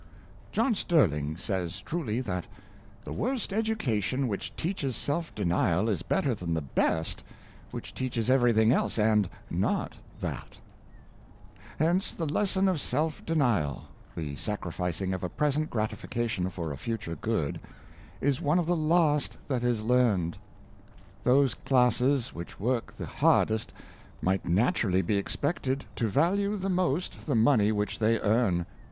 John Sterling says truly, that "the worst education which teaches self denial, is better than the best which teaches everything else, and not that." 376 Self denial. Hence the lesson of self denial — the sacrificing of a present gratification for a future good — is one of the last that is learned. Those classes which work the hardest might naturally be expected to value the most the money which they earn.